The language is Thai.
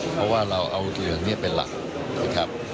เพราะว่าเราเอาเรื่องนี้เป็นหลักนะครับ